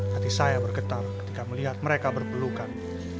hati saya bergetar ketika melihat mereka berpelukan